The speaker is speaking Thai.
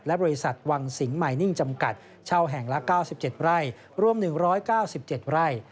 และบริษัทวังสิงหมายนิ่งจำกัดเช่าแห่งละ๙๗ไร่รวม๑๙๗ไร่